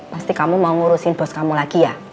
pasti kamu mau ngurusin bos kamu lagi ya